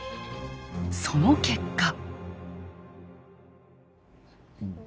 その結果。